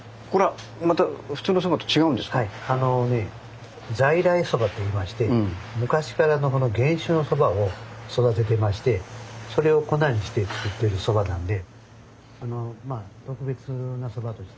あのね在来そばといいまして昔からの原種のそばを育ててましてそれを粉にして作ってるそばなんで特別なそばとして。